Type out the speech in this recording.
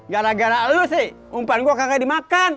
gara gara lu sih umpan gua kagak dimakan